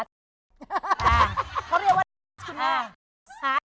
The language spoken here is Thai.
เขาเรียกว่า